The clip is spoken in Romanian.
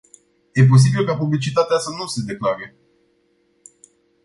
E posibil ca publicitatea să nu se declare.